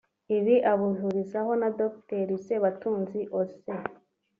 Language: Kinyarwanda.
Ibi abihurizaho na Dr Sebatunzi Osee